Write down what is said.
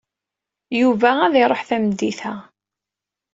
Yuba ad iṛuḥ tameddit-a.